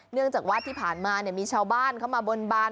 เนื่องจากว่าที่ผ่านมามีชาวบ้านเข้ามาบนบาน